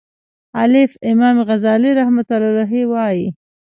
الف : امام غزالی رحمه الله وایی